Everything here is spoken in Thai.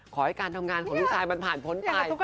ขอให้การทำงานของลูกชายมันผ่านพ้นไป